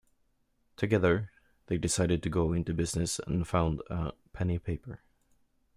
Together, they decided to go into business and found a "penny paper".